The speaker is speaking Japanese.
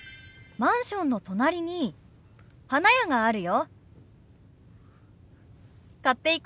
「マンションの隣に花屋があるよ」。